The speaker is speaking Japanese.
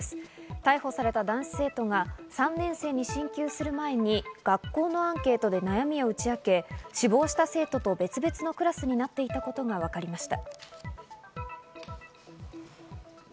逮捕された男子生徒が３年生に進級する前に学校のアンケートで悩みを打ち明け、死亡した生徒と別々のクラスになっていたことがわかりました。